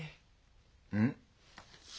うん？